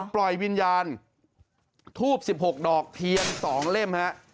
ปล่อยวิญญาณทูบ๑๖ดอกเพียง๒เล่มฮะ